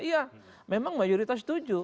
iya memang mayoritas setuju